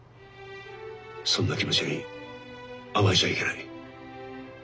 そんな気持ちに甘えちゃいけない。